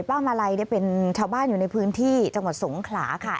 มาลัยเป็นชาวบ้านอยู่ในพื้นที่จังหวัดสงขลาค่ะ